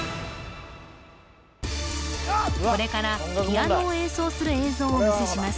これからピアノを演奏する映像をお見せします